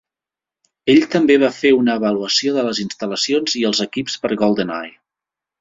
Ell també va fer una avaluació de les instal·lacions i els equips per Goldeneye.